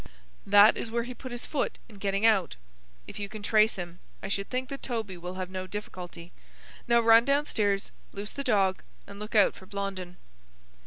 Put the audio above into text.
"That is where he put his foot in getting out. If you can trace him, I should think that Toby will have no difficulty. Now run downstairs, loose the dog, and look out for Blondin."